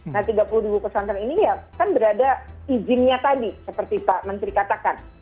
nah tiga puluh dua pesantren ini ya kan berada izinnya tadi seperti pak menteri katakan